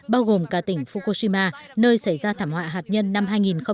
bao gồm cả tỉnh fukushima nơi xảy ra thảm họa hạt nhân năm hai nghìn một mươi một